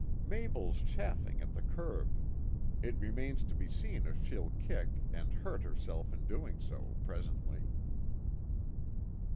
Mabel's chaffing at the curb. It remains to be seen if she'll kick, and hurt herself in doing so, presently."